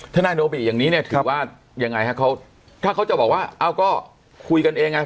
ถ้านายโนบิอย่างนี้เนี่ยถือว่าอย่างไรถ้าเขาจะบอกว่าเอาก็คุยกันเองนะ